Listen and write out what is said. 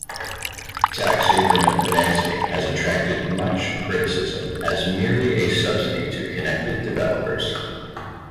Tax-increment financing has attracted much criticism as merely a subsidy to connected developers.